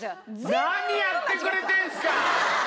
何やってくれてんすか！